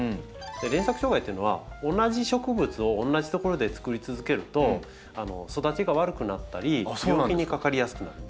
連作障害っていうのは同じ植物を同じ所でつくり続けると育ちが悪くなったり病気にかかりやすくなるんです。